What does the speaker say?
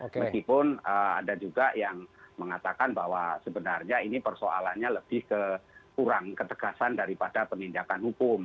meskipun ada juga yang mengatakan bahwa sebenarnya ini persoalannya lebih ke kurang ketegasan daripada penindakan hukum